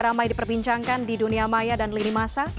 ramai diperbincangkan di dunia maya dan lini masa